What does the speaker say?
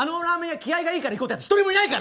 気合がいいから行こうって一人もいないから。